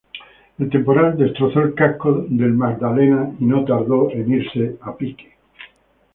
El temporal destrozó el casco del "Magdalena" y no tardó en irse a pique.